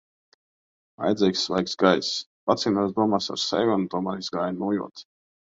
Vajadzīgs svaigs gaiss. Pacīnījos domās ar sevi un tomēr izgāju nūjot.